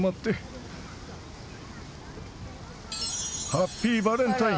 ハッピーバレンタイン！